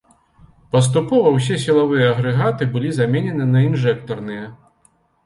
Паступова ўсе сілавыя агрэгаты былі заменены на інжэктарныя.